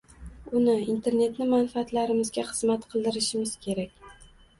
uni – internetni manfaatlarimizga xizmat qildirishimiz kerak.